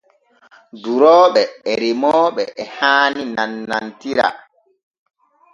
Durooɓe e remooɓe e haani nannantira.